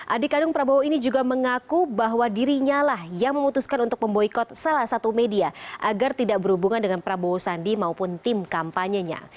adik kandung prabowo ini juga mengaku bahwa dirinya lah yang memutuskan untuk memboykot salah satu media agar tidak berhubungan dengan prabowo sandi maupun tim kampanyenya